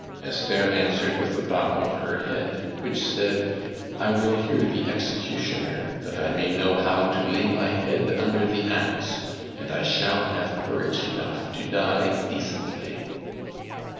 Esther answered with a bow of her head, which said: "I will hear the executioner, that I may know how to lay my head under the axe, and I shall have courage enough to die decently."